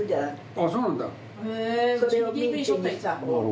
あっそうなんだ。